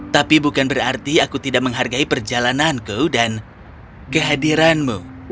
tapi bukan berarti aku tidak menghargai perjalananku dan kehadiranmu